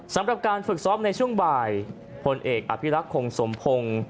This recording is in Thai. สำหรับการฝึกซ้อมในช่วงบ่ายพลเอกอภิรักษ์คงสมพงศ์